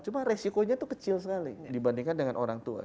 cuma resikonya itu kecil sekali dibandingkan dengan orang tua